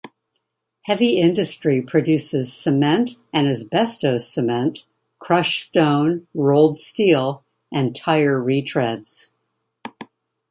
Heavy industry produces cement and asbestos cement, crushed stone, rolled steel, and tire retreads.